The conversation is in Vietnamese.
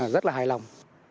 rất là hài lòng